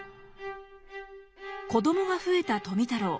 子どもが増えた富太郎。